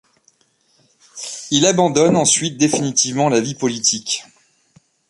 Il abandonne ensuite définitivement la vie politique.